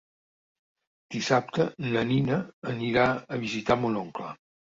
Dissabte na Nina anirà a visitar mon oncle.